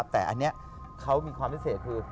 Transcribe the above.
แต่อันนี้เขามีความพิเศษคือ